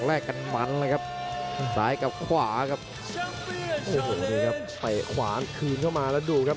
แลกกันมันครับสายกับขวาครับโอ้โหตะไขขวานคืนเข้ามาแล้วดูครับ